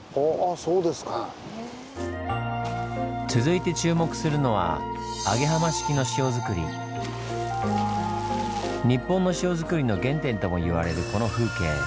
続いて注目するのは日本の塩作りの原点ともいわれるこの風景。